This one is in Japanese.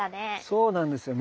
そうなんですよ。